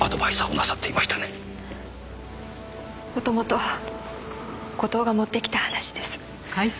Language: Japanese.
もともと後藤が持ってきた話です。